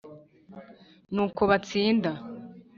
n'uko batsinda